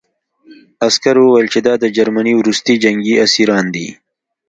عسکر وویل چې دا د جرمني وروستي جنګي اسیران دي